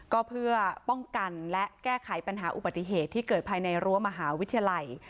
ก็เพื่อป้องกันและแก้ไขปัญหาอุบัติเหตุที่เกิดภายในรั้วมหาวิทยาลัย